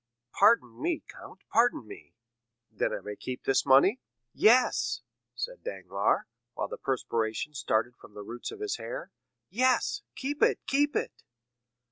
"Pardon me, count, pardon me." "Then I may keep this money?" "Yes," said Danglars, while the perspiration started from the roots of his hair. "Yes, keep it—keep it."